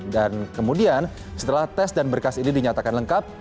dan kemudian setelah tes dan berkas ini dinyatakan lengkap